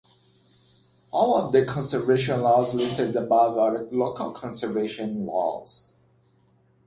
All of the conservation laws listed above are local conservation laws.